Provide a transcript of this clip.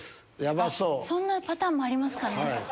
そんなパターンもありますかね。